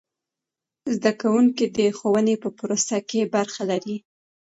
زده کوونکي د ښوونې په پروسې کې برخه لري.